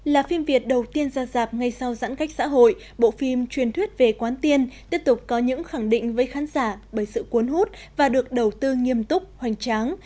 là phim việt đầu tiên ra dạp ngay sau giãn cách xã hội bộ phim truyền thuyết về quán tiên tiếp tục có những khẳng định với khán giả bởi sự cuốn hút và được đầu tư nghiêm túc hoành tráng